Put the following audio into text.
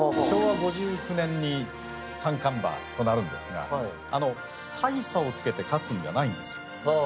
昭和５９年に三冠馬となるんですがあの大差をつけて勝つんじゃないんですよ。